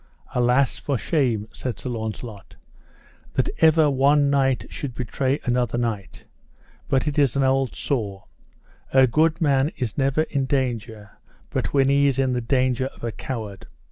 Alas for shame, said Launcelot, that ever one knight should betray another knight; but it is an old saw, A good man is never in danger but when he is in the danger of a coward.